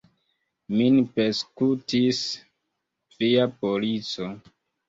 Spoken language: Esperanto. Min persekutis via polico.